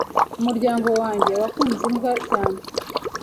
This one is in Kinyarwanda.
Umuryango wanjye wakunze imbwa cyane.